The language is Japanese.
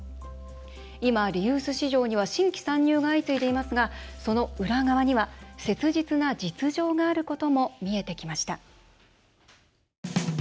今、リユース市場には新規参入が相次いでいますがその裏側には、切実な実情があることも見えてきました。